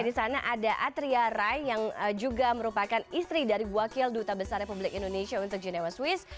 di sana ada atria rai yang juga merupakan istri dari wakil duta besar republik indonesia untuk genewa swiss